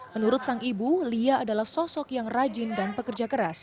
menurut sang ibu lia adalah sosok yang rajin dan pekerja keras